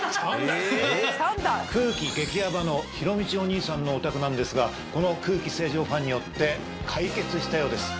空気激やばのひろみちお兄さんのお宅なんですがこの空気清浄ファンによって解決したようです。